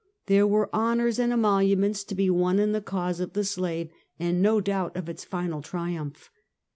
There were honors and emoluments to be won in the ca, use of the slave, and no doubt of its final triumph.